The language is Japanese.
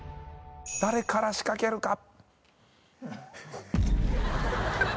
誰から仕掛けるか？